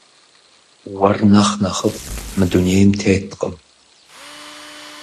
Уэр нэхъ нэхъыфӏ мы дунейм теткъым.